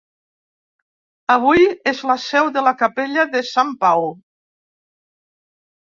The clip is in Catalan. Avui és la seu de la capella de Sant Pau.